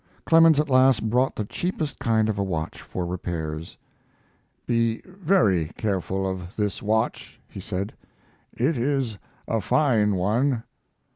Clemens at last brought the cheapest kind of a watch for repairs. "Be very careful of this watch," he said. "It is a fine one."